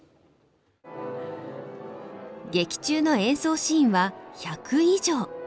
劇中の演奏シーンは１００以上。